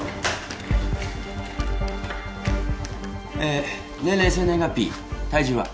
え年齢生年月日体重は？